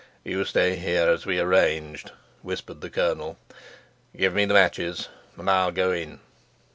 "You stay here, as we arranged," whispered the colonel. "Give me the matches, and I'll go in."